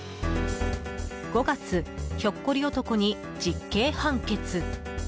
５月、ひょっこり男に実刑判決。